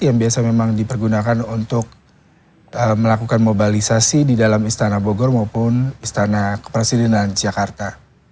yang biasa memang dipergunakan untuk melakukan mobilisasi di dalam istana bogor maupun istana kepresidenan jakarta